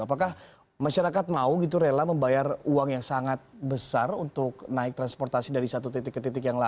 apakah masyarakat mau gitu rela membayar uang yang sangat besar untuk naik transportasi dari satu titik ke titik yang lain